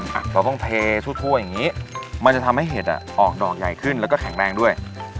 เราต้องแพ้ชุดถั่วอย่างนี้มันจะทำให้เห็ดออกดอกใหญ่ขึ้นและแข็งแรงด้วย